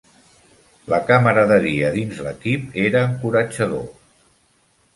La camaraderia dins l'equip era encoratjador.